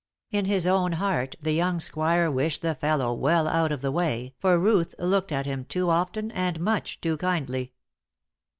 In his own heart the young squire wished the fellow well out of the way, for Ruth looked at him too often and much too kindly.